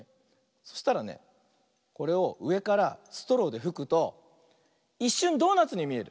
そしたらねこれをうえからストローでふくといっしゅんドーナツにみえる！